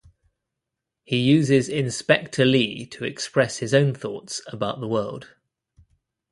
He uses inspector Lee to express his own thoughts about the world.